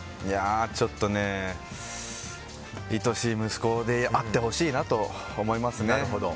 ちょっと愛しい息子であってほしいなと思いますね。